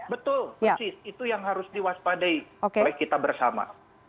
betul itu yang harus diwaspadai oleh kita bersama